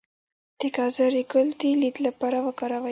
د ګازرې ګل د لید لپاره وکاروئ